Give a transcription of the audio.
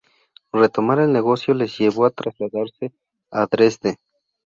Retomar el negocio les llevó a trasladarse a Dresde.